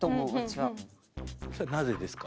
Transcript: それはなぜですか？